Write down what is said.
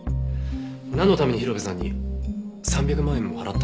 なんのために広辺さんに３００万円も払ったんですか？